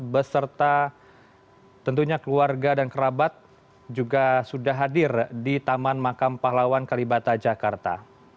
beserta tentunya keluarga dan kerabat juga sudah hadir di taman makam pahlawan kalibata jakarta